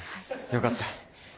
よかった。